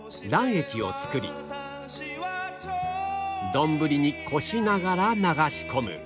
丼に丼にこしながら流し込む